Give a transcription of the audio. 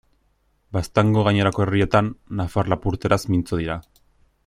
Baztango gainerako herrietan, nafar-lapurteraz mintzo dira.